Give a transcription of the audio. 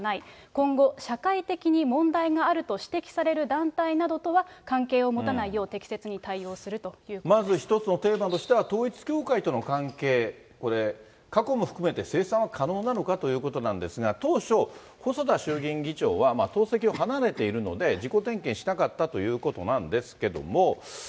今後、社会的に問題があると指摘される団体などとは関係を持たないようまず一つのテーマとしては、統一教会との関係、これ、過去も含めて清算は可能なのかということなんですが、当初、細田衆議院議長は党籍を離れているので、自己点検しなかったということなんですけども。